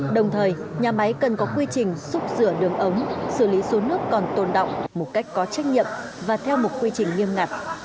đồng thời nhà máy cần có quy trình xúc rửa đường ống xử lý xuống nước còn tồn động một cách có trách nhiệm và theo một quy trình nghiêm ngặt